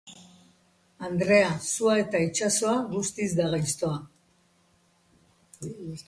Andrea, sua eta itsasoa, guztiz da gaiztoa.